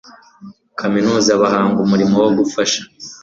kaminuza bahanga umurimo wo gufasha